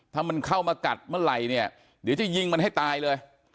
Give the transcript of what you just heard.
ถ้ามันเข้ามากัดเมื่อไหร่เนี่ยเดี๋ยวจะยิงมันให้ตายเลย